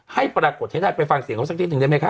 ให้ปรากฏให้ได้ไปฟังเสียงเขาสักนิดหนึ่งได้ไหมคะ